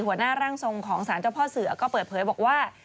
หัวหน้าร่างทรงของสารเจ้าพ่อเสือก็เปิดเผยบอกว่า